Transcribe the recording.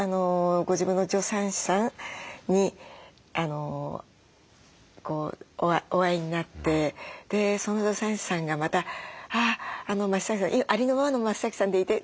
ご自分の助産師さんにお会いになってその助産師さんがまた「ありのままの増さんでいて。